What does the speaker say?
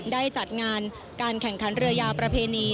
ได้จัดงานการแข่งขันเรือยาวประเพณี